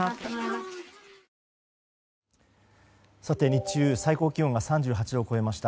日中最高気温が３８度を超えました